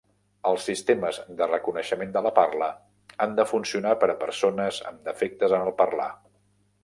Els sistemes de reconeixement de la parla han de funcionar per a persones amb defectes en el parlar.